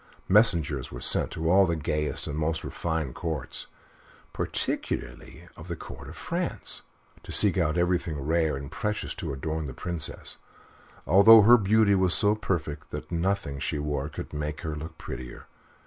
Messengers were sent to all the gayest and most refined Courts, particularly to the Court of France, to seek out everything rare and precious to adorn the Princess, although her beauty was so perfect that nothing she wore could make her look prettier.